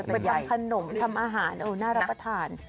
ไปทำขนมทำอาหารน่ารับประทาน